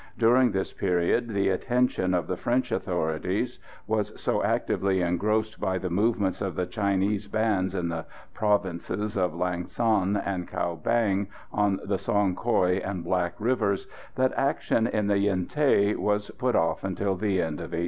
During this period the attention of the French authorities was so actively engrossed by the movements of the Chinese bands in the provinces of Lang son and Cao Bang on the Song Koï and Black rivers, that action in the Yen Thé was put off until the end of 1890.